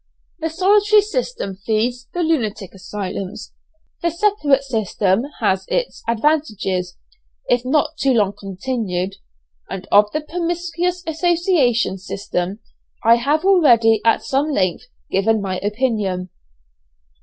The solitary system feeds the lunatic asylums, the separate system has its advantages, if not too long continued, and of the promiscuous association system I have already at some length given my opinion.